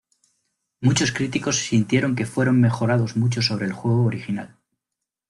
Muchos críticos sintieron que fueron mejorados mucho sobre el juego original.